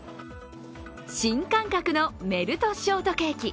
新感覚のメルトショートケーキ。